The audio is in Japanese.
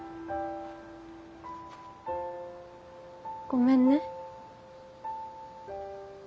ごめんね。